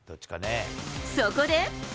そこで。